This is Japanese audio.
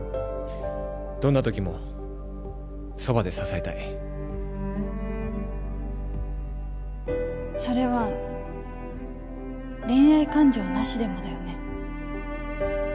どんな時もそばで支えたいそれは恋愛感情なしでもだよね？